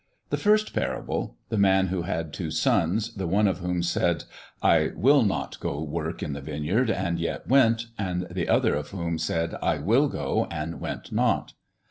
The first parable the man who had two sons, the one of whom said, I will not go work in the vineyard, and yet went; the other of whom said, I will go, and went not.